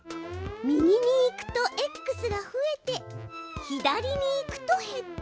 右に行くとＸが増えて左に行くと減って。